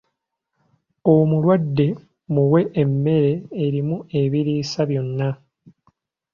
Omulwadde muwe emmere erimu ebiriisa byonna.